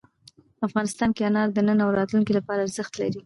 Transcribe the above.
افغانستان کې انار د نن او راتلونکي لپاره ارزښت لري.